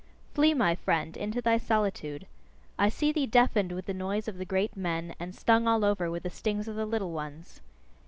Flee, my friend, into thy solitude! I see thee deafened with the noise of the great men, and stung all over with the stings of the little ones.